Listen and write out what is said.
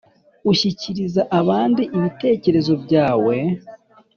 ushyikiriza abandi ibitekerezo byawe